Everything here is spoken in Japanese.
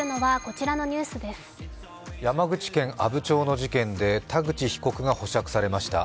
山口県阿武町の事件で田口被告が保釈されました。